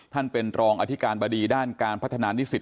ท่านเป็นรองอธิการบดีด้านการพัฒนานิสิต